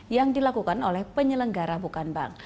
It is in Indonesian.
yang dilakukan oleh penyelenggara bukan bank